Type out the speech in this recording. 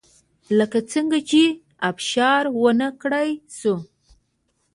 لکه څنګه چې ابشار ونه کړای شوه